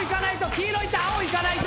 黄色いって青いかないと。